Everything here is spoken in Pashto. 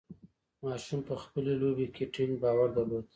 ماشوم په خپلې لوبې کې ټینګ باور درلود.